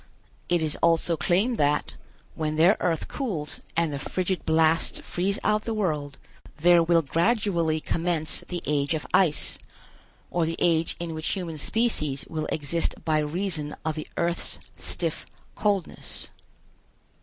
It is also claimed that, when their earth cools and the frigid blasts freeze out the world, there will gradually commence the Age of Ice, or the age in which human species will exist by reason of the earth's stiff coldness.